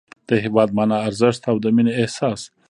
د هېواد مانا، ارزښت او د مینې احساس